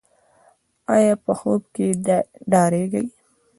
ایا په خوب کې ډاریږي؟